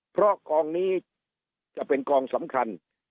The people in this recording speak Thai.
เพราะกองนี้จะเป็นกองสำคัญ